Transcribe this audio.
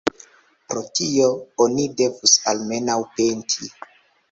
Pro tio oni devus almenaŭ penti.